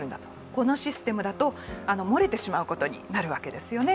このシステムだと漏れてしまうことになるわけですよね。